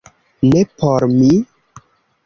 Ne por mi?